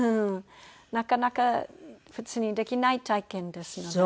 なかなか普通にできない体験ですので。